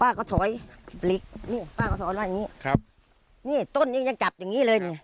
ก็ถอยเหล็กนี่ป้าก็สอนว่าอย่างงี้ครับนี่ต้นนี้ยังจับอย่างงี้เลยนี่